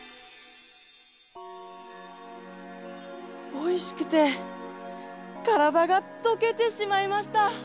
おいしくてからだがとけてしまいました！